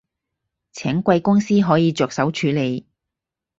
請貴公司可以着手處理